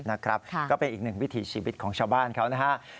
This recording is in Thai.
นะครับก็เป็นอีกหนึ่งวิถีชีวิตของชาวบ้านเขานะครับ